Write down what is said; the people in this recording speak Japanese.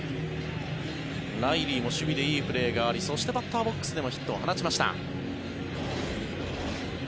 ライリーも守備でいいプレーがありそしてバッターボックスでもヒットを放ちました。